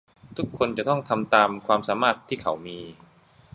ทุกคนจะต้องทำตามความสามารถที่เขามี